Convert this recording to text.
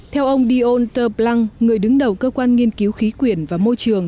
theo ông dionte blanc người đứng đầu cơ quan nghiên cứu khí quyển và môi trường